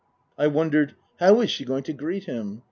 I wondered, " How is she going to greet him